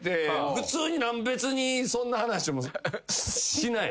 普通に別にそんな話もしない。